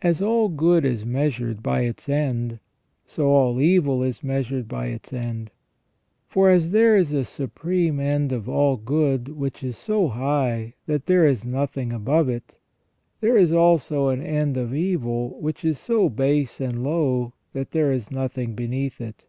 As all good is measured by its end, so all evil is measured by its end. For as there is a supreme end of all good which is so high that there is nothing above it, there is also an end of evil which is so base and low that there is nothing beneath it.